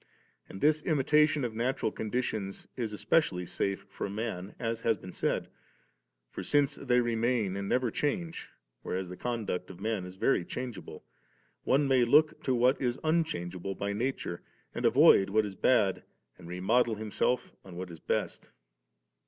And this imitation of natural conditions is especially safe for man, as has been said; for, since they remain and never change, whereas the conduct of men is very changeable, one may look to what is un changeable by nature, and avoid what is bad and remodel himself on what is best 31.